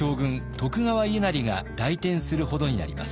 徳川家斉が来店するほどになります。